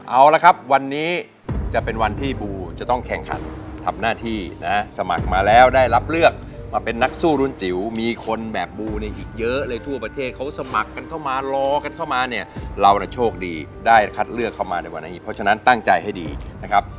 เอาละครับวันนี้จะเป็นวันที่บูจะต้องแข่งขันทำหน้าที่นะสมัครมาแล้วได้รับเลือกมาเป็นนักสู้รุ่นจิ๋วมีคนแบบบูเนี่ยอีกเยอะเลยทั่วประเทศเขาสมัครกันเข้ามารอกันเข้ามาเนี่ยเราโชคดีได้คัดเลือกเข้ามาในวันนี้เพราะฉะนั้นตั้งใจให้ดีนะครับ